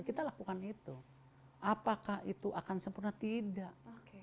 kita lakukan itu apakah itu akan sempurna tidak